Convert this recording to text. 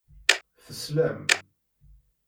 Teslam.